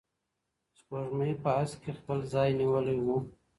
سپوږمۍ په هسک کي خپل ځای نیولی و.